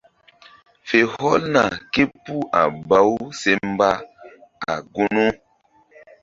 Fe hɔlna képuh a baw se mba puh a gunu.